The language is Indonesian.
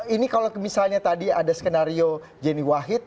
ini kalau misalnya tadi ada skenario yeni wahid